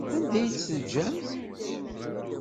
Anda ay tt-teǧǧamt?